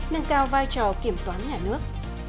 nâng cao vai trò kiểm toán nhà nước